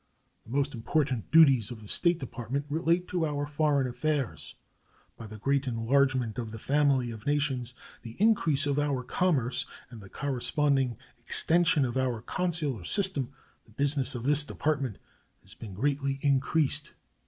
The most important duties of the State Department relate to our foreign affairs. By the great enlargement of the family of nations, the increase of our commerce, and the corresponding extension of our consular system the business of this Department has been greatly increased.